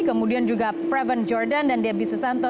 kemudian juga preven jordan dan debbie susanto